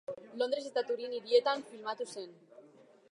Londres eta Turin hirietan filmatu zen.